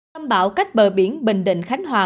tâm bão cách bờ biển bình định khánh hòa